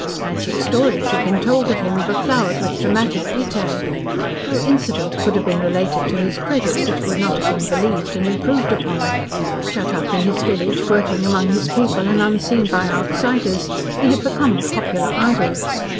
Magic stories had been told of him, beflowered with dramatic detail. No incident could have been related to his credit which would not have been believed and improved upon. Shut up in his village working among his people and unseen by outsiders, he had become a popular idol.